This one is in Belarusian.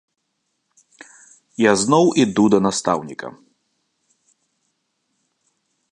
Я зноў іду да настаўніка.